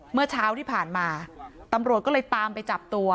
เมื่อเช้าที่ผ่านมาตำรวจก็เลยตามไปจับตัว